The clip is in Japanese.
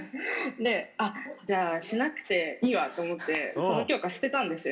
じゃあしなくていいわと思ってその教科捨てたんですよ